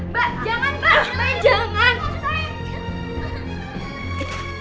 mbak jangan mbak uang dari saya ya